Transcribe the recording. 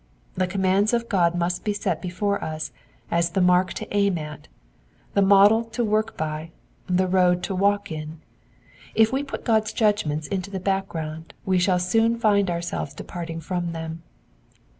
The commands of God must be set before us as the mark to aim at, the model to work by, the road to walk in. If we put God's judgments into the background we shall soon find ourselves departing from them.